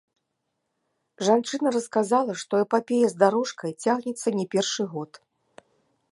Жанчына расказала, што эпапея з дарожкай цягнецца не першы год.